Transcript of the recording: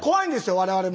我々も。